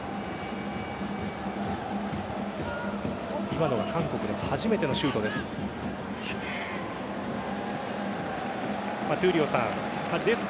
今のは韓国の初めてのシュートです。